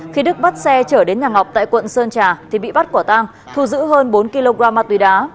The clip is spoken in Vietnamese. khi đức bắt xe chở đến nhà ngọc tại quận sơn trà thì bị bắt quả tang thu giữ hơn bốn kg ma túy đá